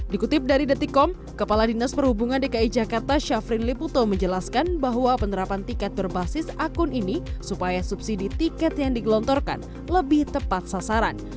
dikutip dari detikom kepala dinas perhubungan dki jakarta syafrin liputo menjelaskan bahwa penerapan tiket berbasis akun ini supaya subsidi tiket yang digelontorkan lebih tepat sasaran